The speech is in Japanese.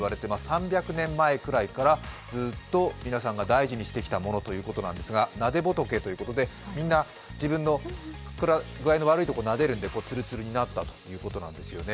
３００年前ぐらいからずっと皆さんが大事にしてきたものということなんですが、なで仏ということで、自分の具合の悪いところをなでるのでなでるので、つるつるになったということなんですよね。